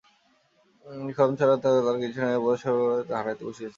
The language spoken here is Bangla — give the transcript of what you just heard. এই খড়ম ছাড়া জগতে তাহার আর-কিছুই নাই— পদসেবার অধিকারও হারাইতে বসিয়াছে।